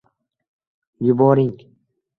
yuboring